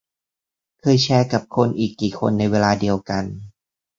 เคยแชร์กับคนอีกกี่คนในเวลาเดียวกัน ?